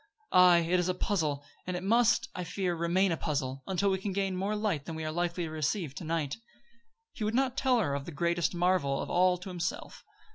Aye, it is a puzzle; and it must, I fear, remain a puzzle, until we can gain more light than we are likely to receive to night." He would not tell her of the greatest marvel of all to himself.